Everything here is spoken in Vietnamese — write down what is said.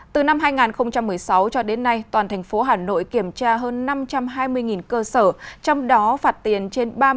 từ năm hai nghìn một mươi sáu cho đến nay toàn thành phố hà nội kiểm tra hơn năm trăm hai mươi cơ sở trong đó phạt tiền trên